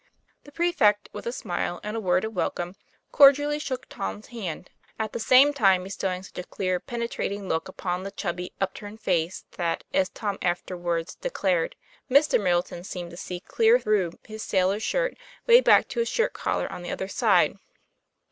" The prefect, with a smile and a word of welcome, cordially shook Tom's hand, at the same time be stowing such a clear, penetrating look upon the chubby upturned face that, as Tom afterwards de clared, " Mr. Middleton seemed to see clear through 44 TOM PL A YFAIR. his sailor shirt way back to his shirt collar on the other side."